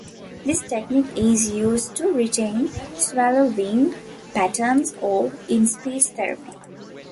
This technique is used to retrain swallowing patterns or in speech therapy.